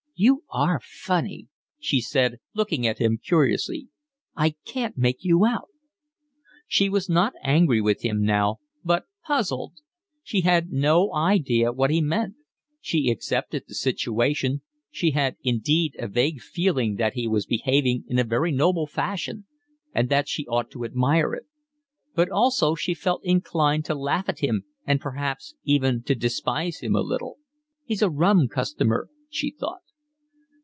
"You are funny," she said, looking at him curiously. "I can't make you out." She was not angry with him now, but puzzled; she had no idea what he meant: she accepted the situation, she had indeed a vague feeling that he was behaving in a very noble fashion and that she ought to admire it; but also she felt inclined to laugh at him and perhaps even to despise him a little. "He's a rum customer," she thought.